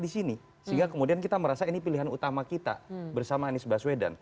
di sini sehingga kemudian kita merasa ini pilihan utama kita bersama anies baswedan